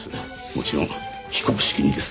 もちろん非公式にです。